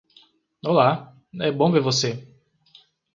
Olá! É bom ver você!